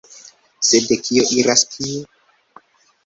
Sed kio iras kie?